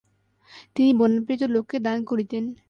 তিনি বন্যাপীড়িত লোককে দান করিতেন।